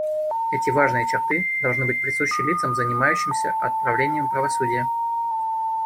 Эти важные черты должны быть присущи лицам, занимающимся отправлением правосудия.